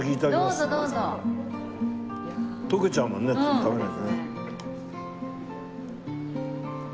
どうぞどうぞ！溶けちゃうもんね食べないとね。